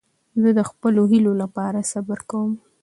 زه د خپلو هیلو له پاره صبر کوم.